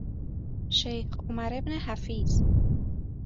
شیخ عمر بن حفیظ